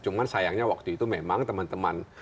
cuma sayangnya waktu itu memang teman teman